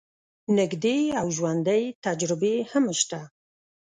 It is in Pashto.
نژدې او ژوندۍ تجربې هم شته.